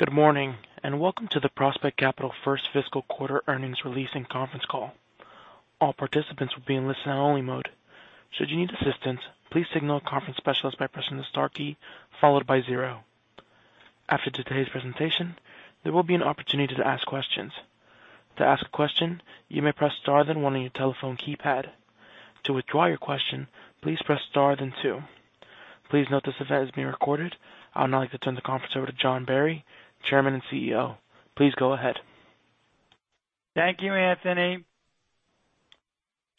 Good morning, and welcome to the Prospect Capital first fiscal quarter earnings release and conference call. All participants will be in listen only mode. Should you need assistance, please signal a conference specialist by pressing the star key followed by zero. After today's presentation, there will be an opportunity to ask questions. To ask a question, you may press star then one on your telephone keypad. To withdraw your question, please press star then two. Please note this event is being recorded. I would now like to turn the conference over to John Barry, Chairman and CEO. Please go ahead. Thank you, Anthony.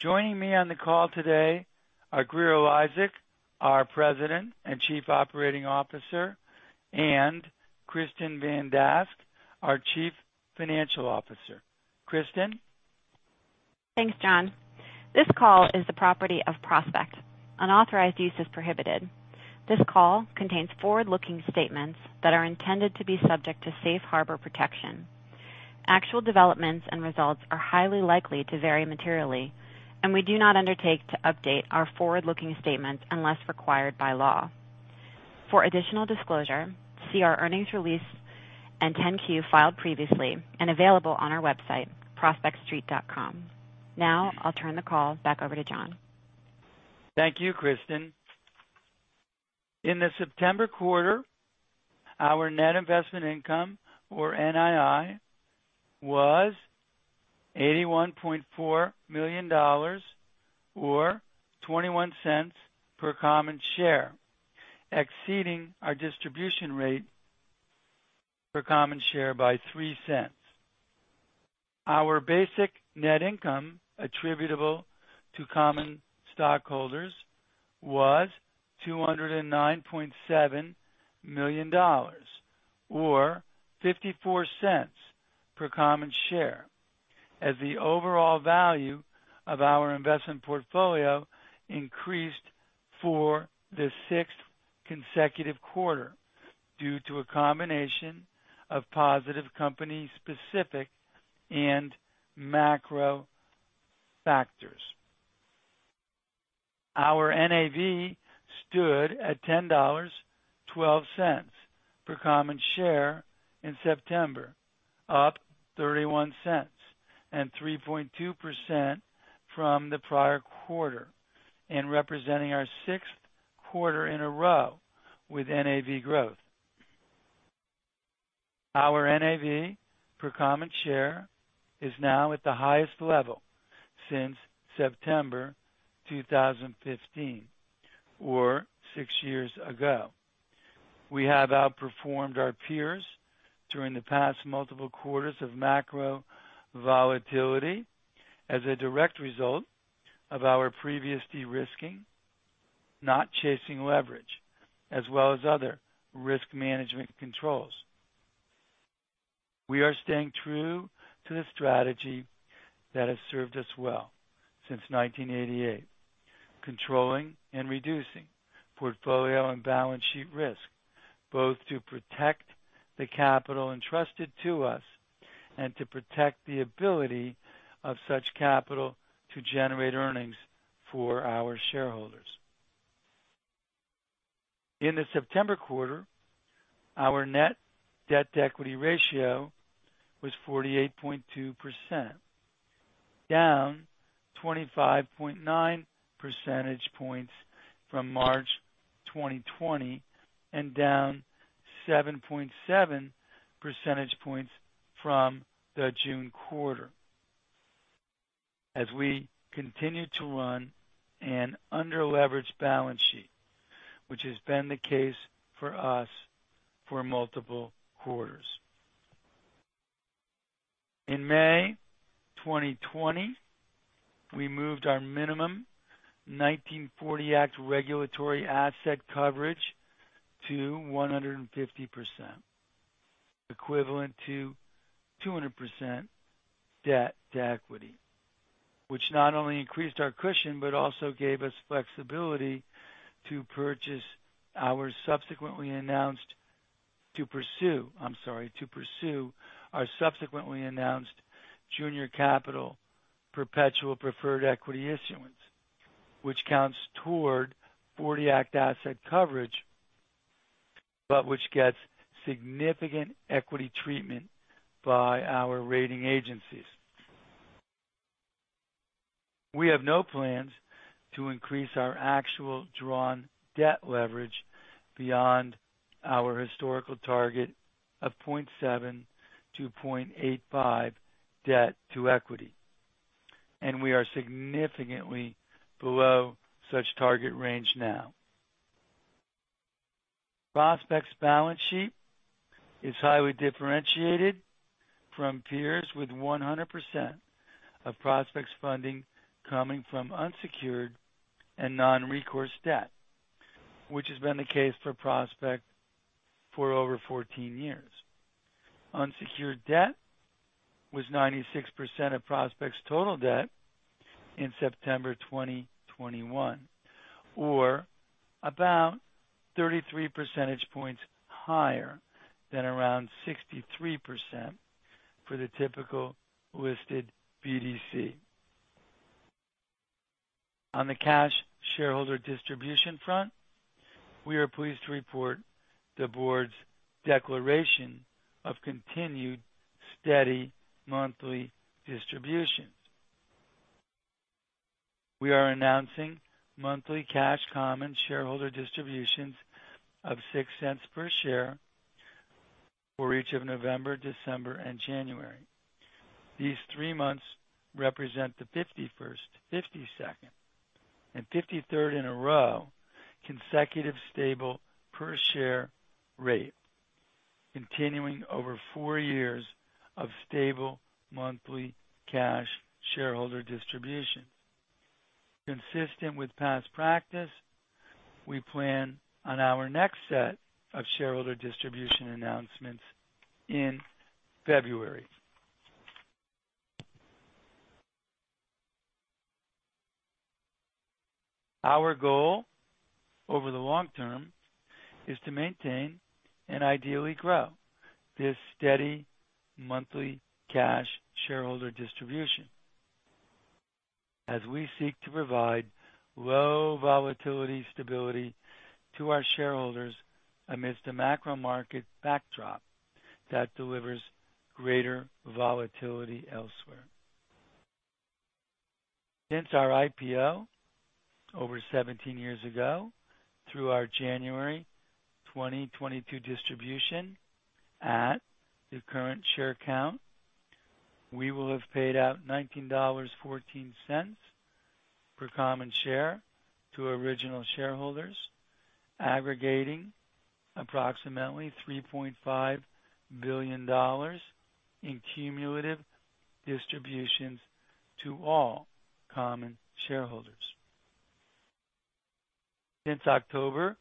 Joining me on the call today are Grier Eliasek, our President and Chief Operating Officer, and Kristin Van Dask, our Chief Financial Officer. Thanks, John. This call is the property of Prospect. Unauthorized use is prohibited. This call contains forward-looking statements that are intended to be subject to Safe Harbor protection. Actual developments and results are highly likely to vary materially, and we do not undertake to update our forward-looking statements unless required by law. For additional disclosure, see our earnings release and 10-Q filed previously and available on our website, prospectstreet.com. Now I'll turn the call back over to John. Thank you, Kristin. In the September quarter, our net investment income, or NII, was $81.4 million or $0.21 per common share, exceeding our distribution rate for common share by $0.03. Our basic net income attributable to common stockholders was $209.7 million or $0.54 per common share. As the overall value of our investment portfolio increased for the sixth consecutive quarter due to a combination of positive company specific and macro factors, our NAV stood at $10.12 per common share in September, up $0.31 and 3.2% from the prior quarter, and representing our sixth quarter in a row with NAV growth. Our NAV per common share is now at the highest level since September 2015 or six years ago. We have outperformed our peers during the past multiple quarters of macro volatility as a direct result of our previous de-risking, not chasing leverage, as well as other risk management controls. We are staying true to the strategy that has served us well since 1988, controlling and reducing portfolio and balance sheet risk, both to protect the capital entrusted to us and to protect the ability of such capital to generate earnings for our shareholders. In the September quarter, our net debt to equity ratio was 48.2%, down 25.9 percentage points from March 2020 and down 7.7 percentage points from the June quarter. As we continue to run an under-leveraged balance sheet, which has been the case for us for multiple quarters. In May 2020, we moved our minimum 1940 Act regulatory asset coverage to 150%, equivalent to 200% debt to equity, which not only increased our cushion but also gave us flexibility to pursue, I'm sorry, our subsequently announced junior capital perpetual preferred equity issuance, which counts toward 1940 Act asset coverage, but which gets significant equity treatment by our rating agencies. We have no plans to increase our actual drawn debt leverage beyond our historical target of 0.7-0.85 debt to equity, and we are significantly below such target range now. Prospect's balance sheet is highly differentiated from peers with 100% of Prospect's funding coming from unsecured and non-recourse debt, which has been the case for Prospect for over 14 years. Unsecured debt was 96% of Prospect's total debt in September 2021, or about 33 percentage points higher than around 63% for the typical listed BDC. On the cash shareholder distribution front, we are pleased to report the board's declaration of continued steady monthly distributions. We are announcing monthly cash common shareholder distributions of $0.06 per share for each of November, December, and January. These three months represent the 51st, 52nd, and 53rd in a row consecutive stable per share rate, continuing over four years of stable monthly cash shareholder distributions. Consistent with past practice, we plan on our next set of shareholder distribution announcements in February. Our goal over the long term is to maintain and ideally grow this steady monthly cash shareholder distribution as we seek to provide low volatility stability to our shareholders amidst a macro market backdrop that delivers greater volatility elsewhere. Since our IPO over 17 years ago, through our January 2022 distribution at the current share count, we will have paid out $19.14 per common share to original shareholders, aggregating approximately $3.5 billion in cumulative distributions to all common shareholders. Since October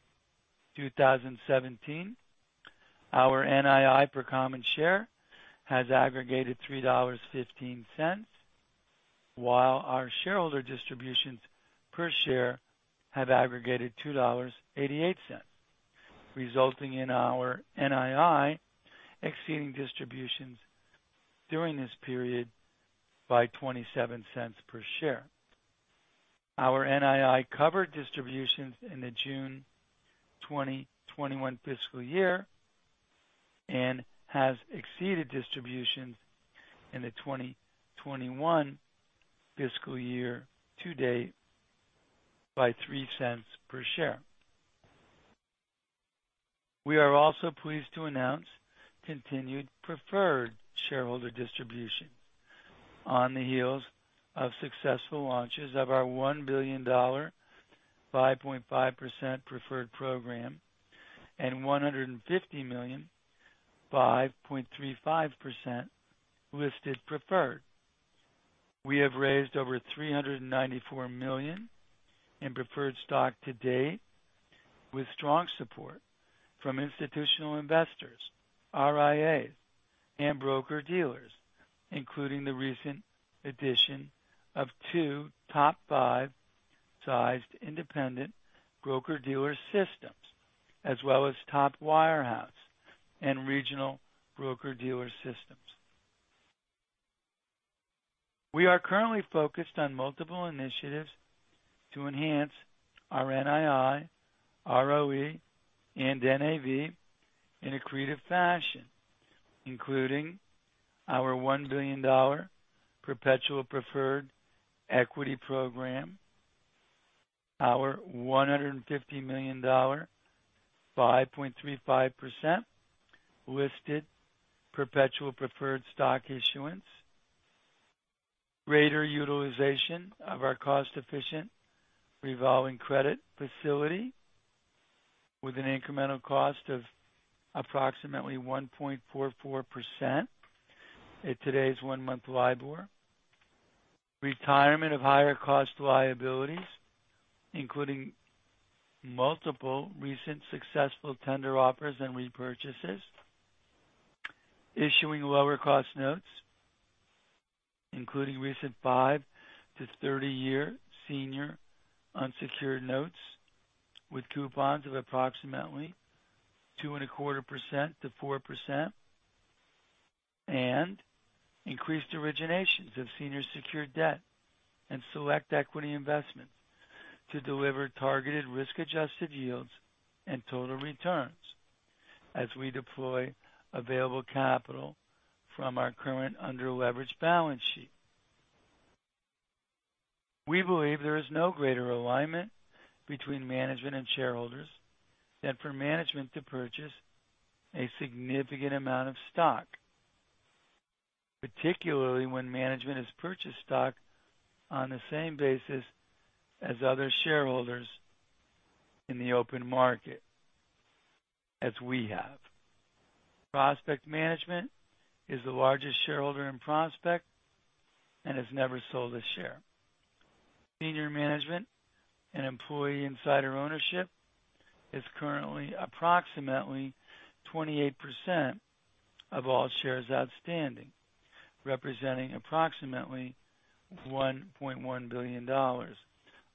2017, our NII per common share has aggregated $3.15, while our shareholder distributions per share have aggregated $2.88, resulting in our NII exceeding distributions during this period by $0.27 per share. Our NII covered distributions in the June 2021 fiscal year and has exceeded distributions in the 2021 fiscal year to date by $0.03 per share. We are also pleased to announce continued preferred shareholder distribution on the heels of successful launches of our $1 billion 5.5% preferred program and $150 million 5.35% listed preferred. We have raised over $394 million in preferred stock to date with strong support from institutional investors, RIAs, and broker-dealers, including the recent addition of two top five-sized independent broker-dealer systems, as well as top wirehouse and regional broker-dealer systems. We are currently focused on multiple initiatives to enhance our NII, ROE, and NAV in a creative fashion, including our $1 billion perpetual preferred equity program, our $150 million 5.35% listed perpetual preferred stock issuance, greater utilization of our cost-efficient revolving credit facility with an incremental cost of approximately 1.44% at today's one-month LIBOR. Retirement of higher cost liabilities, including multiple recent successful tender offers and repurchases. Issuing lower cost notes, including recent five- to 30-year senior unsecured notes with coupons of approximately 2.25%-4%. Increased originations of senior secured debt and select equity investments to deliver targeted risk-adjusted yields and total returns as we deploy available capital from our current under-leveraged balance sheet. We believe there is no greater alignment between management and shareholders than for management to purchase a significant amount of stock, particularly when management has purchased stock on the same basis as other shareholders in the open market as we have. Prospect Management is the largest shareholder in Prospect and has never sold a share. Senior management and employee insider ownership is currently approximately 28% of all shares outstanding, representing approximately $1.1 billion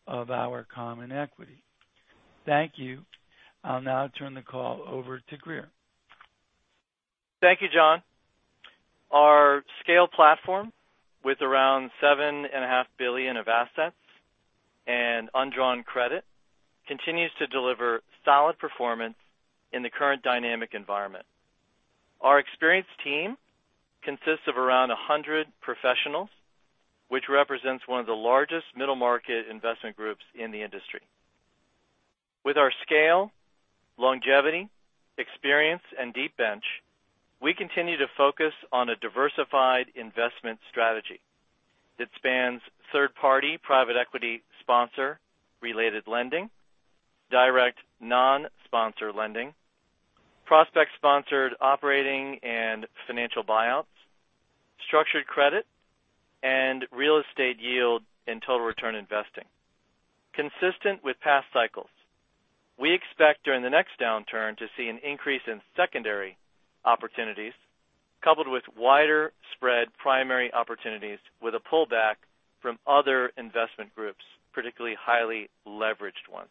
of our common equity. Thank you. I'll now turn the call over to Grier. Thank you, John. Our scale platform with around $7.5 billion of assets and undrawn credit continues to deliver solid performance in the current dynamic environment. Our experienced team consists of around 100 professionals, which represents one of the largest middle-market investment groups in the industry. With our scale, longevity, experience, and deep bench, we continue to focus on a diversified investment strategy that spans third-party, private equity sponsor-related lending, direct non-sponsor lending, Prospect-sponsored operating and financial buyouts, structured credit, and real estate yield and total return investing. Consistent with past cycles, we expect during the next downturn to see an increase in secondary opportunities coupled with wider-spread primary opportunities with a pullback from other investment groups, particularly highly leveraged ones.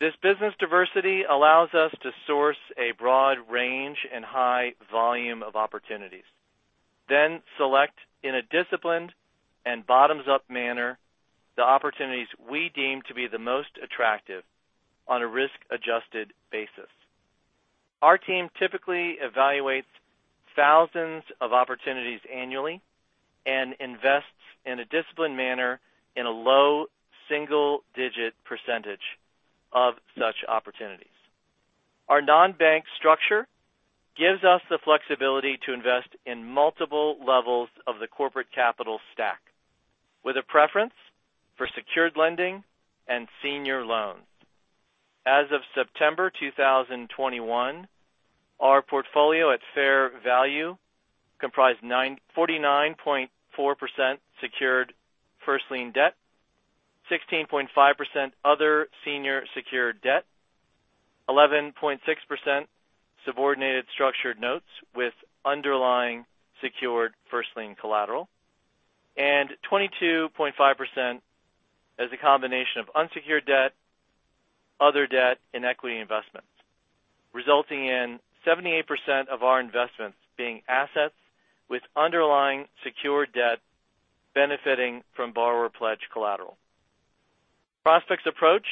This business diversity allows us to source a broad range and high volume of opportunities, then select in a disciplined and bottoms-up manner the opportunities we deem to be the most attractive on a risk-adjusted basis. Our team typically evaluates thousands of opportunities annually and invests in a disciplined manner in a low single-digit percentage of such opportunities. Our non-bank structure gives us the flexibility to invest in multiple levels of the corporate capital stack with a preference for secured lending and senior loans. As of September 2021, our portfolio at fair value comprised 49.4% secured first lien debt, 16.5% other senior secured debt, 11.6% subordinated structured notes with underlying secured first lien collateral, and 22.5% as a combination of unsecured debt, other debt, and equity investments, resulting in 78% of our investments being assets with underlying secured debt benefiting from borrower pledge collateral. Prospect's approach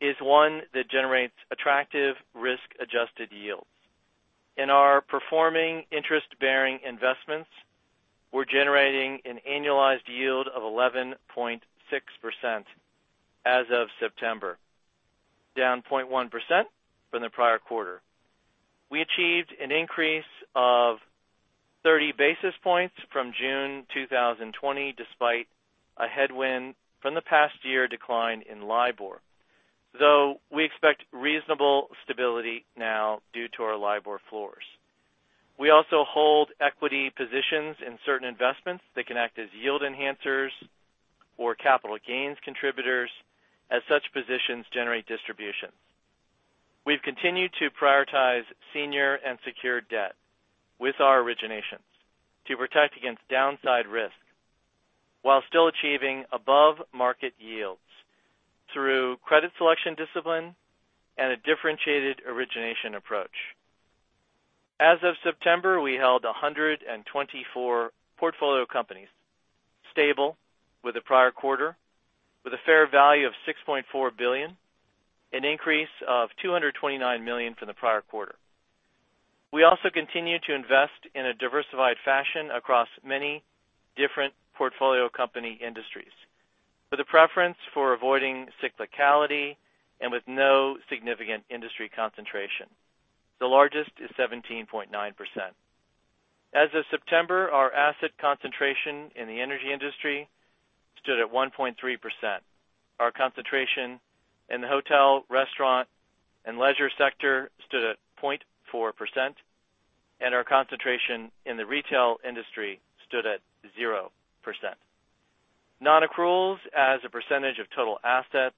is one that generates attractive risk-adjusted yields. In our performing interest-bearing investments, we're generating an annualized yield of 11.6% as of September, down 0.1% from the prior quarter. We achieved an increase of 30 basis points from June 2020, despite a headwind from the past year decline in LIBOR, though we expect reasonable stability now due to our LIBOR floors. We also hold equity positions in certain investments that can act as yield enhancers or capital gains contributors as such positions generate distributions. We've continued to prioritize senior and secured debt with our originations to protect against downside risk while still achieving above-market yields through credit selection discipline and a differentiated origination approach. As of September, we held 124 portfolio companies, stable with the prior quarter, with a fair value of $6.4 billion, an increase of $229 million from the prior quarter. We also continue to invest in a diversified fashion across many different portfolio company industries, with a preference for avoiding cyclicality and with no significant industry concentration. The largest is 17.9%. As of September, our asset concentration in the energy industry stood at 1.3%. Our concentration in the hotel, restaurant, and leisure sector stood at 0.4%, and our concentration in the retail industry stood at 0%. Non-accruals as a percentage of total assets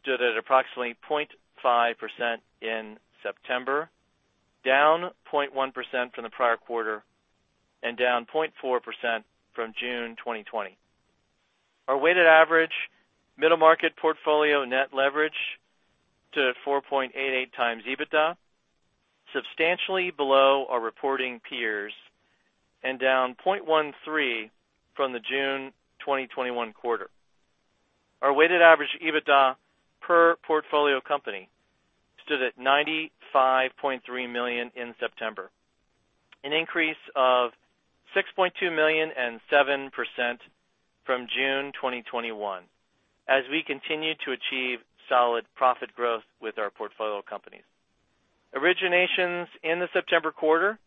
stood at approximately 0.5% in September, down 0.1% from the prior quarter and down 0.4% from June 2020. Our weighted average middle market portfolio net leverage to 4.88x EBITDA, substantially below our reporting peers and down 0.13 from the June 2021 quarter. Our weighted average EBITDA per portfolio company stood at $95.3 million in September, an increase of $6.2 million and 7% from June 2021 as we continue to achieve solid profit growth with our portfolio companies. Originations in the September quarter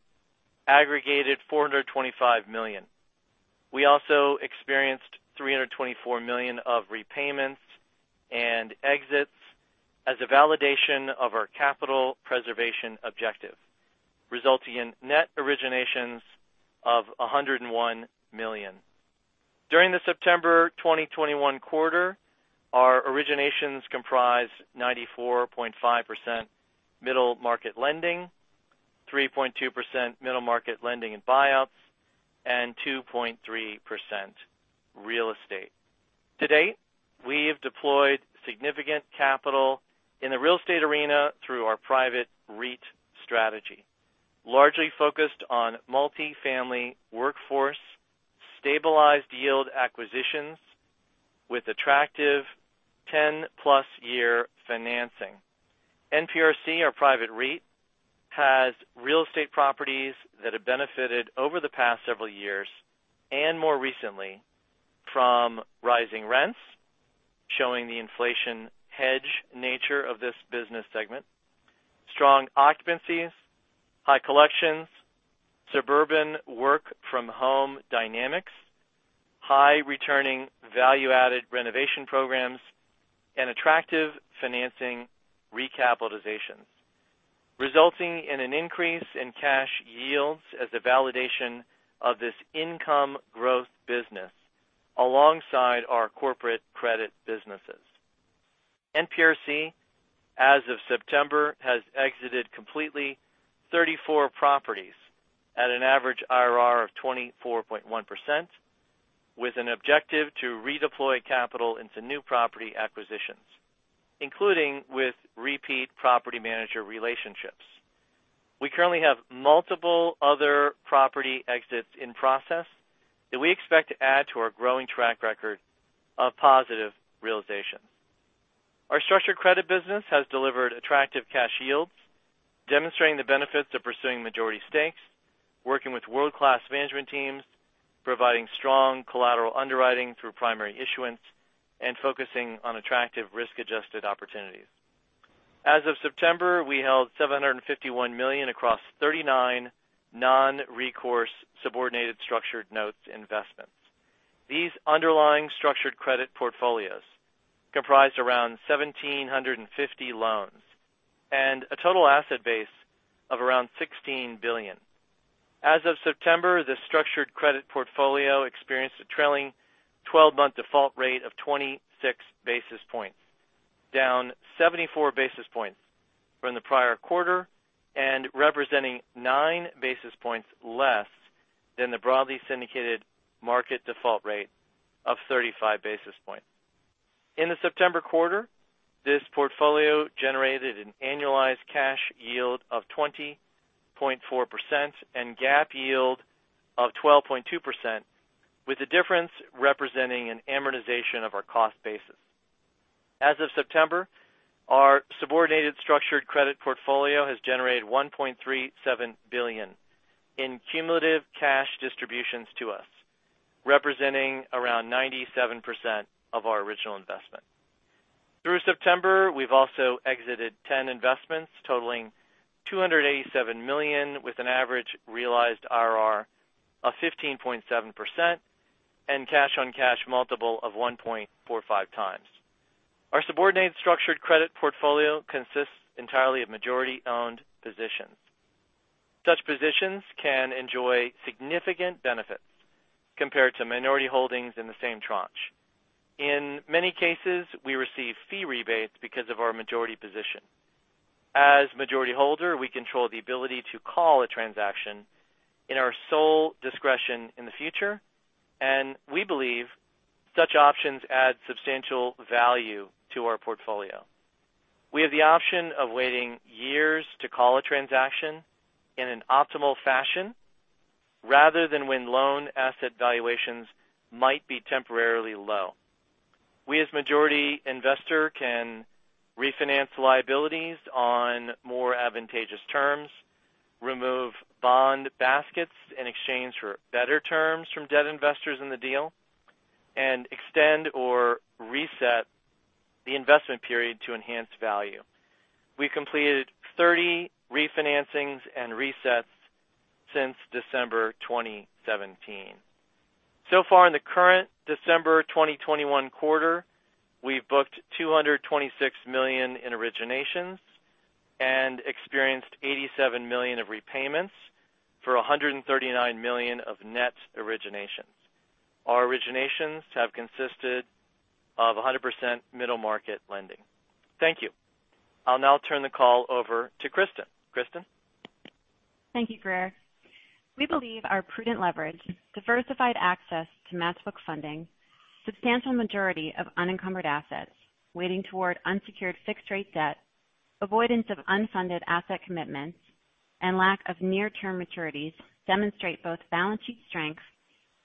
aggregated $425 million. We also experienced $324 million of repayments and exits as a validation of our capital preservation objective, resulting in net originations of $101 million. During the September 2021 quarter, our originations comprised 94.5% middle market lending, 3.2% middle market lending and buyouts, and 2.3% real estate. To date, we have deployed significant capital in the real estate arena through our private REIT strategy, largely focused on multifamily workforce, stabilized yield acquisitions with attractive 10+ year financing. NPRC, our private REIT, has real estate properties that have benefited over the past several years and more recently from rising rents, showing the inflation hedge nature of this business segment. Strong occupancies, high collections, suburban work from home dynamics, high returning value-added renovation programs, and attractive financing recapitalizations, resulting in an increase in cash yields as a validation of this income growth business alongside our corporate credit businesses. NPRC, as of September, has exited completely 34 properties at an average IRR of 24.1%, with an objective to redeploy capital into new property acquisitions, including with repeat property manager relationships. We currently have multiple other property exits in process that we expect to add to our growing track record of positive realization. Our structured credit business has delivered attractive cash yields, demonstrating the benefits of pursuing majority stakes, working with world-class management teams, providing strong collateral underwriting through primary issuance, and focusing on attractive risk-adjusted opportunities. As of September, we held $751 million across 39 non-recourse subordinated structured notes investments. These underlying structured credit portfolios comprised around 1,750 loans and a total asset base of around $16 billion. As of September, the structured credit portfolio experienced a trailing 12-month default rate of 26 basis points, down 74 basis points from the prior quarter and representing 9 basis points less than the broadly syndicated market default rate of 35 basis points. In the September quarter, this portfolio generated an annualized cash yield of 20.4% and GAAP yield of 12.2%, with the difference representing an amortization of our cost basis. As of September, our subordinated structured credit portfolio has generated $1.37 billion in cumulative cash distributions to us, representing around 97% of our original investment. Through September, we've also exited 10 investments totaling $287 million, with an average realized IRR of 15.7% and cash-on-cash multiple of 1.45x. Our subordinated structured credit portfolio consists entirely of majority-owned positions. Such positions can enjoy significant benefits compared to minority holdings in the same tranche. In many cases, we receive fee rebates because of our majority position. As majority holder, we control the ability to call a transaction in our sole discretion in the future, and we believe such options add substantial value to our portfolio. We have the option of waiting years to call a transaction in an optimal fashion rather than when loan asset valuations might be temporarily low. We, as majority investor, can refinance liabilities on more advantageous terms, remove bond baskets in exchange for better terms from debt investors in the deal, and extend or reset the investment period to enhance value. We completed 30 refinancings and resets since December 2017. So far in the current December 2021 quarter, we've booked $226 million in originations and experienced $87 million of repayments for $139 million of net originations. Our originations have consisted of 100% middle-market lending. Thank you. I'll now turn the call over to Kristin. Kristin? Thank you, Grier. We believe our prudent leverage, diversified access to match book funding, substantial majority of unencumbered assets weighting toward unsecured fixed-rate debt, avoidance of unfunded asset commitments, and lack of near-term maturities demonstrate both balance sheet strength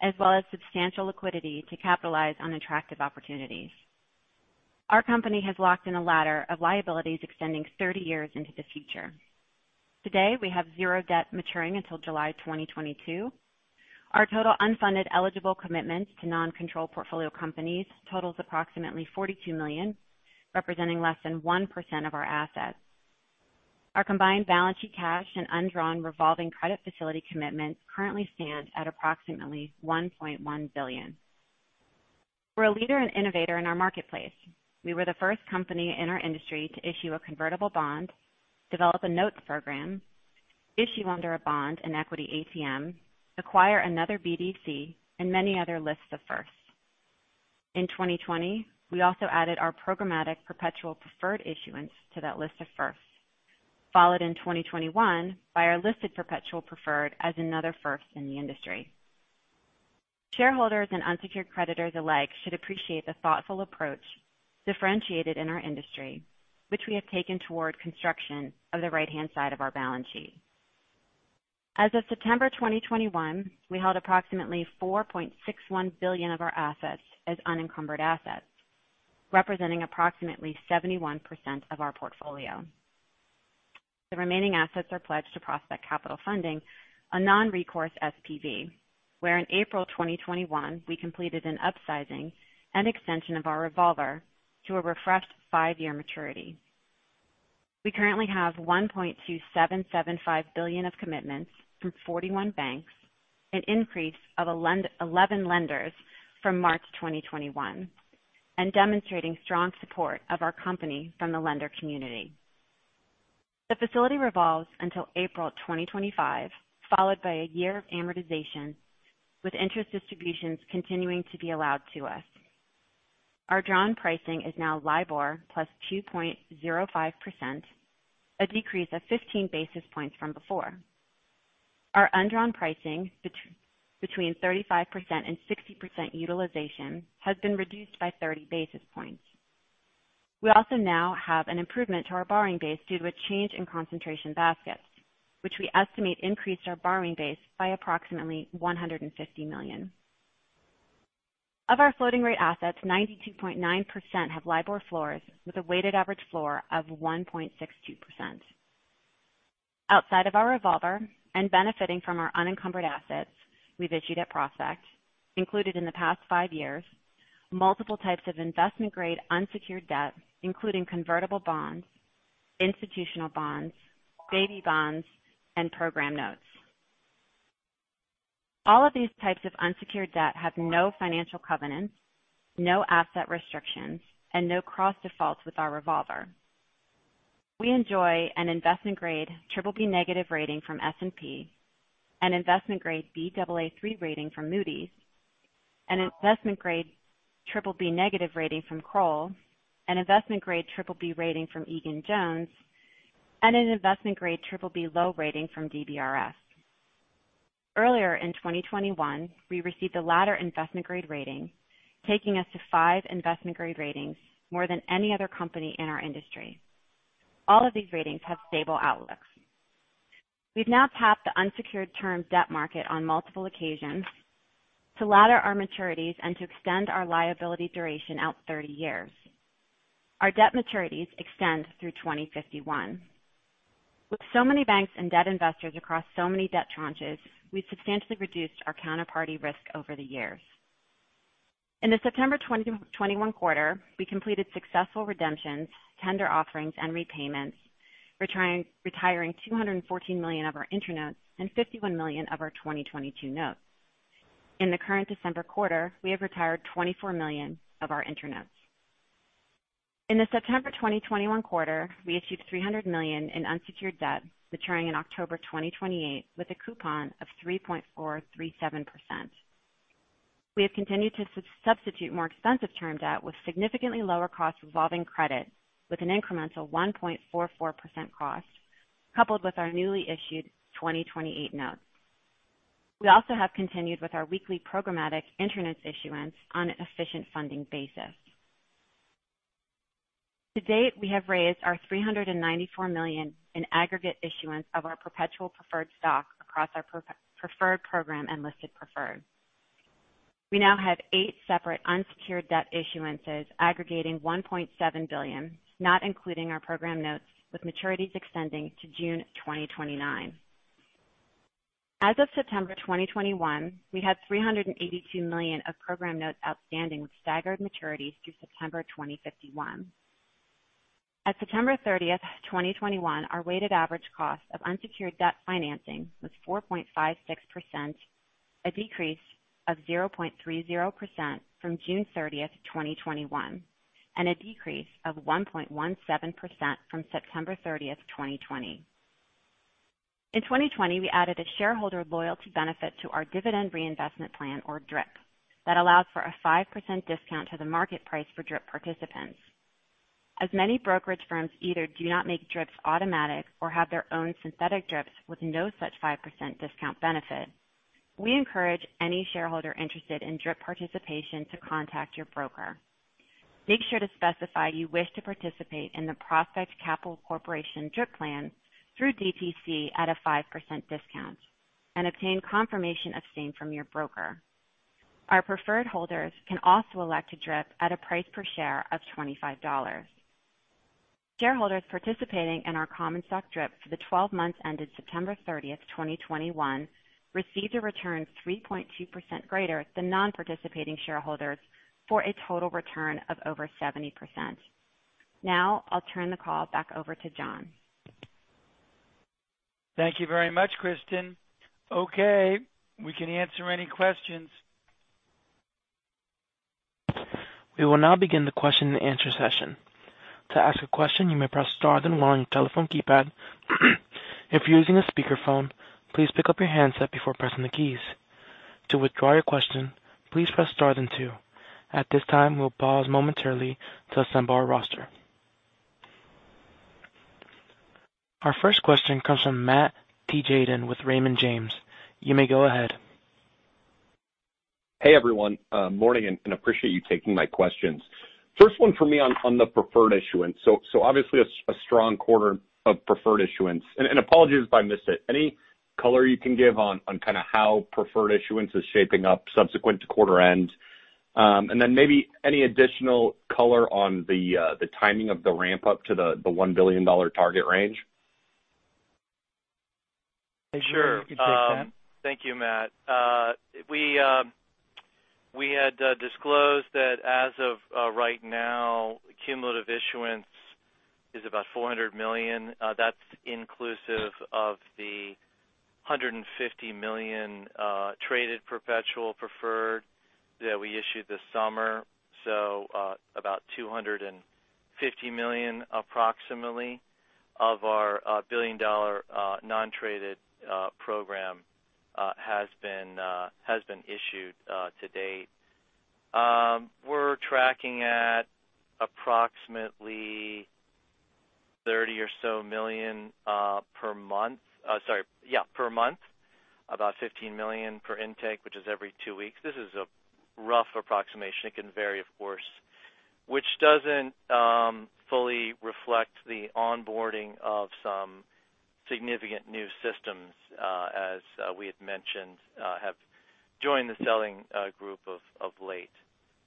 as well as substantial liquidity to capitalize on attractive opportunities. Our company has locked in a ladder of liabilities extending 30 years into the future. Today, we have zero debt maturing until July 2022. Our total unfunded eligible commitments to non-control portfolio companies totals approximately $42 million, representing less than 1% of our assets. Our combined balance sheet cash and undrawn revolving credit facility commitments currently stand at approximately $1.1 billion. We're a leader and innovator in our marketplace. We were the first company in our industry to issue a convertible bond, develop a notes program, issue under a bond and equity ATM, acquire another BDC, and many other lists of firsts. In 2020, we also added our programmatic perpetual preferred issuance to that list of firsts, followed in 2021 by our listed perpetual preferred as another first in the industry. Shareholders and unsecured creditors alike should appreciate the thoughtful approach differentiated in our industry, which we have taken toward construction of the right-hand side of our balance sheet. As of September 2021, we held approximately $4.61 billion of our assets as unencumbered assets, representing approximately 71% of our portfolio. The remaining assets are pledged to Prospect Capital Funding, a non-recourse SPV, wherein April 2021 we completed an upsizing and extension of our revolver to a refreshed five-year maturity. We currently have $1.2775 billion of commitments from 41 banks, an increase of 11 lenders from March 2021 and demonstrating strong support of our company from the lender community. The facility revolves until April 2025, followed by a year of amortization, with interest distributions continuing to be allowed to us. Our drawn pricing is now LIBOR plus 2.05%, a decrease of 15 basis points from before. Our undrawn pricing between 35% and 60% utilization has been reduced by 30 basis points. We also now have an improvement to our borrowing base due to a change in concentration baskets, which we estimate increased our borrowing base by approximately $150 million. Of our floating rate assets, 92.9% have LIBOR floors with a weighted average floor of 1.62%. Outside of our revolver and benefiting from our unencumbered assets, we've issued at Prospect included in the past five years multiple types of investment grade unsecured debt, including convertible bonds, institutional bonds, baby bonds, and program notes. All of these types of unsecured debt have no financial covenants, no asset restrictions, and no cross defaults with our revolver. We enjoy an investment grade BBB negative rating from S&P, an investment grade Baa3 rating from Moody's, an investment grade BBB negative rating from Kroll, an investment grade BBB rating from Egan-Jones, and an investment grade BBB low rating from DBRS. Earlier in 2021, we received a latter investment grade rating, taking us to five investment grade ratings, more than any other company in our industry. All of these ratings have stable outlooks. We've now tapped the unsecured term debt market on multiple occasions to ladder our maturities and to extend our liability duration out 30 years. Our debt maturities extend through 2051. With so many banks and debt investors across so many debt tranches, we've substantially reduced our counterparty risk over the years. In the September 2021 quarter, we completed successful redemptions, tender offerings, and repayments, retiring $214 million of our InterNotes and $51 million of our 2022 notes. In the current December quarter, we have retired $24 million of our InterNotes. In the September 2021 quarter, we achieved $300 million in unsecured debt maturing in October 2028 with a coupon of 3.437%. We have continued to substitute more expensive term debt with significantly lower cost revolving credit with an incremental 1.44% cost coupled with our newly issued 2028 notes. We also have continued with our weekly programmatic InterNotes issuance on an efficient funding basis. To date, we have raised $394 million in aggregate issuance of our perpetual preferred stock across our preferred program and listed preferred. We now have eight separate unsecured debt issuances aggregating $1.7 billion, not including our InterNotes, with maturities extending to June 2029. As of September 2021, we had $382 million of InterNotes outstanding, with staggered maturities through September 2051. At September 30, 2021, our weighted average cost of unsecured debt financing was 4.56%, a decrease of 0.30% from June 30, 2021, and a decrease of 1.17% from September 30, 2020. In 2020, we added a shareholder loyalty benefit to our dividend reinvestment plan, or DRIP, that allows for a 5% discount to the market price for DRIP participants. As many brokerage firms either do not make DRIPs automatic or have their own synthetic DRIPs with no such 5% discount benefit, we encourage any shareholder interested in DRIP participation to contact your broker. Make sure to specify you wish to participate in the Prospect Capital Corporation DRIP plan through DTC at a 5% discount and obtain confirmation of same from your broker. Our preferred holders can also elect to DRIP at a price per share of $25. Shareholders participating in our common stock DRIP for the 12 months ended September 30, 2021, received a return 3.2% greater than non-participating shareholders for a total return of over 70%. Now I'll turn the call back over to John. Thank you very much, Kristin. Okay, we can answer any questions. We will now begin the question-and-answer session. To ask a question, you may press star then one on your telephone keypad. If you are using a speakerphone, please raise your hand before pressing the telephone keys. Our first question comes from Matt Tjaden with Raymond James. You may go ahead. Hey, everyone. Morning, and I appreciate you taking my questions. First one for me on the preferred issuance. Obviously a strong quarter of preferred issuance. Apologies if I missed it. Any color you can give on kind of how preferred issuance is shaping up subsequent to quarter end? Then maybe any additional color on the timing of the ramp up to the $1 billion target range? Grier, you can take that. Sure. Thank you, Matt. We had disclosed that as of right now, cumulative issuance is about $400 million. That's inclusive of the $150 million traded perpetual preferred that we issued this summer. About $250 million approximately of our $1 billion non-traded program has been issued to date. We're tracking at approximately $30 million or so per month. About $15 million per intake, which is every two weeks. This is a rough approximation. It can vary, of course, which doesn't fully reflect the onboarding of some significant new systems as we had mentioned have joined the selling group of late.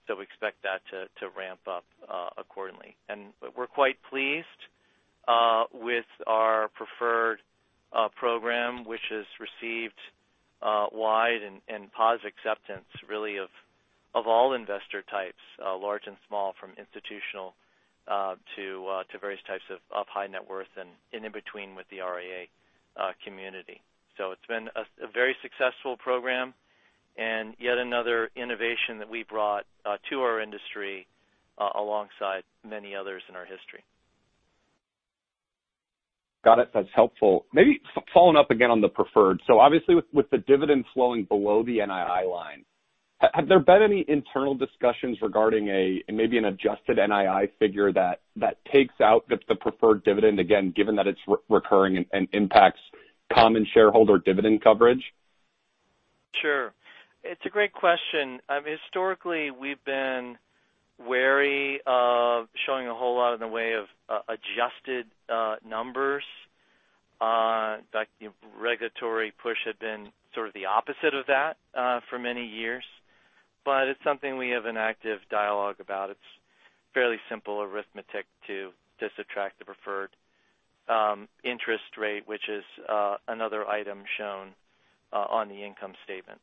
We expect that to ramp up accordingly. We're quite pleased with our preferred program, which has received wide and broad acceptance really of all investor types, large and small, from institutional to various types of high net worth and in between with the RIA community. It's been a very successful program and yet another innovation that we brought to our industry alongside many others in our history. Got it. That's helpful. Maybe following up again on the preferred. So obviously with the dividend flowing below the NII line, have there been any internal discussions regarding a, maybe an adjusted NII figure that takes out the preferred dividend again, given that it's recurring and impacts common shareholder dividend coverage? Sure. It's a great question. Historically, we've been wary of showing a whole lot in the way of adjusted numbers. Like, the regulatory push had been sort of the opposite of that for many years. It's something we have an active dialogue about. It's fairly simple arithmetic to just subtract the preferred interest rate, which is another item shown on the income statement.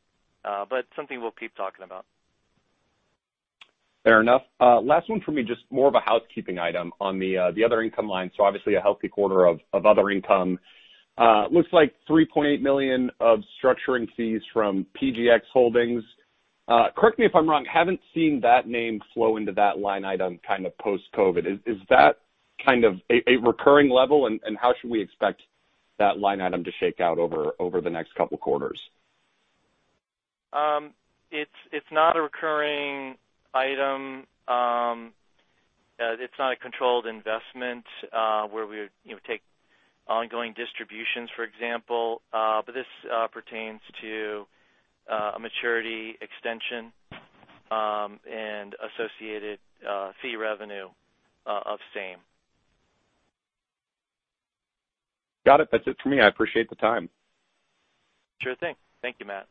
Something we'll keep talking about. Fair enough. Last one for me, just more of a housekeeping item on the other income line. Obviously a healthy quarter of other income. Looks like $3.8 million of structuring fees from PGX Holdings. Correct me if I'm wrong, haven't seen that name flow into that line item kind of post-COVID. Is that kind of a recurring level? And how should we expect that line item to shake out over the next couple quarters? It's not a recurring item. It's not a controlled investment where we would, you know, take ongoing distributions, for example. This pertains to a maturity extension and associated fee revenue of same. Got it. That's it for me. I appreciate the time. Sure thing. Thank you, Matt.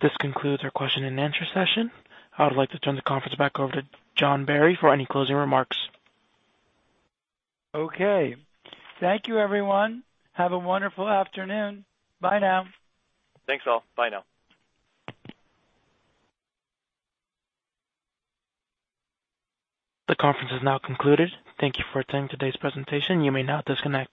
This concludes our question-and-answer session. I would like to turn the conference back over to John Barry for any closing remarks. Okay. Thank you, everyone. Have a wonderful afternoon. Bye now. Thanks, all. Bye now. The conference is now concluded. Thank you for attending today's presentation. You may now disconnect.